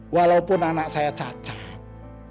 walaupun anak saya cacat